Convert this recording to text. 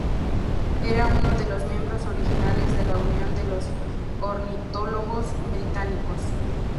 Era uno de los miembros originales de la Unión de los Ornitólogos Británicos.